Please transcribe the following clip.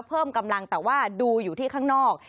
เพิ่มกำลังแต่ว่าดูอยู่ที่ข้างนอก